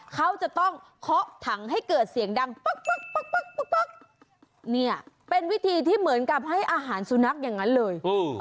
เธอจะต้องเคาะถังให้เกิดเสียงดังเป็นวิธีที่เหมือนให้อาหารซูนักอย่างนั้นเลย